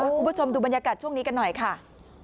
คุณผู้ชมดูบรรยากาศช่วงนี้กันหน่อยค่ะ